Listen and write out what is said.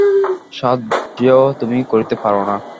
সাহায্য তুমি করিতে পার না।